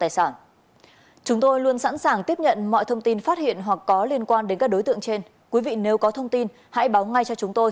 xin chào các bạn